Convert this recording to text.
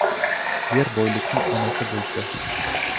Yer boylikning onasi bo'lsa